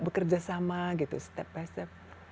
bekerja sama gitu step by step